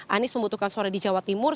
anies membutuhkan suara di jawa timur